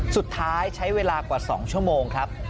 สุดท้ายใช้เวลากว่า๒ชั่วโมงครับ